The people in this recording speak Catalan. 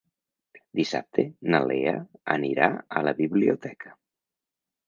Dissabte na Lea anirà a la biblioteca.